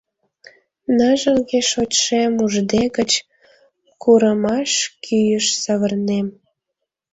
Ныжылге шочшем уждегыч, Курымаш кӱыш савырнем.